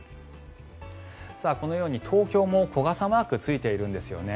このように東京も小傘マークがついているんですね。